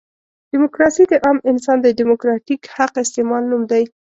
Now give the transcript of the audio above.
ډیموکراسي د عام انسان د ډیموکراتیک حق استعمال نوم دی.